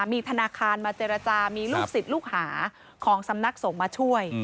มีธนาคารมาเจรจามีลูกศิษย์ลูกหาของสำนักสงฆ์มาช่วย